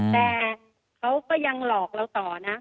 แต่เขาก็ยังหลอกเราต่อนะ